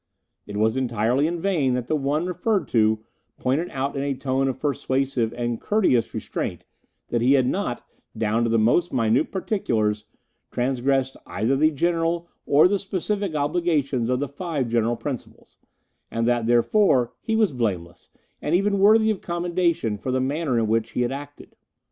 It was entirely in vain that the one referred to pointed out in a tone of persuasive and courteous restraint that he had not, down to the most minute particulars, transgressed either the general or the specific obligations of the Five General Principles, and that, therefore, he was blameless, and even worthy of commendation for the manner in which he had acted.